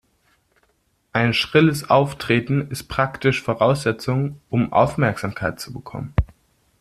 Ein schrilles Auftreten ist praktisch Voraussetzung, um Aufmerksamkeit zu bekommen.